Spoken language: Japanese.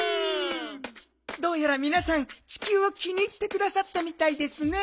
「どうやらみなさんちきゅうを気に入ってくださったみたいですね」。